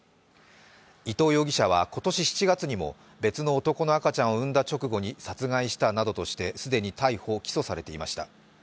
伊藤容疑者は今年７月にも別の男の赤ちゃんを産んだ直後に殺害したなどとして既に逮捕・起訴されていました。